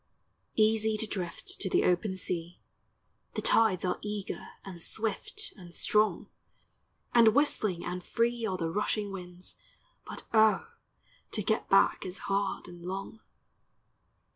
Easy to drift to the open sea, The tides are eager and swift and strong, And whistling and free are the rushing winds, But O, to get back is hard and long.